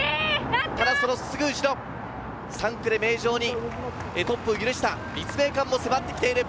ただ、そのすぐ後ろ、３区で名城にトップを許した立命館も迫ってきている。